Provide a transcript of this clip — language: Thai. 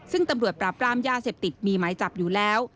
ซึ่งตำรวจปราบรามยาเสพติดมีหมายจับอยู่แล้ว